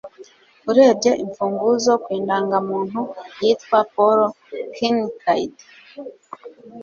Urebye imfunguzo ku indangamuntu yitwa Paul Kinkaid,